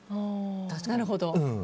なるほど。